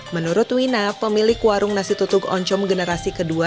menurut wina pemilik warung nasi tutug oncom generasi ke dua